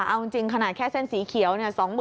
เอาจริงขนาดแค่เส้นสีเขียวเนี่ย